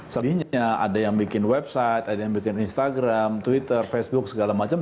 selinya ada yang bikin website ada yang bikin instagram twitter facebook segala macam